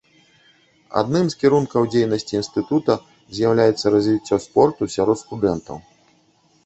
Адным з кірункаў дзейнасці інстытута з'яўляецца развіццё спорту сярод студэнтаў.